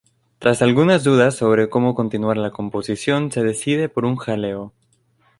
Tras algunas dudas sobre cómo continuar la composición, se decide por un jaleo.